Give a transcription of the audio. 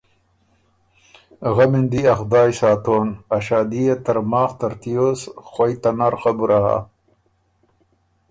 غمی ن دی ا خدایٛ ساتون ا شادي يې ترماخ ترتیوس خوئ ته نرخبُره هۀ۔